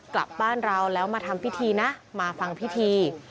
กลับบ้านเราแล้วมาทำพิธีนะมาฟังพิธี